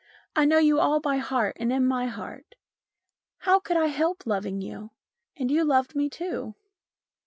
I know you all by heart and in my heart. How could I help loving you ? And you loved me too."